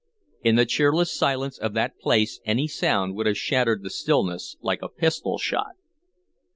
In the cheerless silence of that place any sound would have shattered the stillness like a pistol shot.